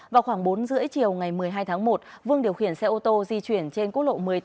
vào khoảng bốn h ba mươi chiều ngày một mươi hai tháng một vương điều khiển xe ô tô di chuyển trên quốc lộ một mươi tám